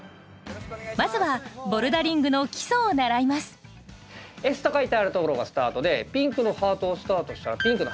まずはボルダリングの基礎を習います「Ｓ」と書いてあるところがスタートでピンクのハートをスタートしたらピンクのハートですね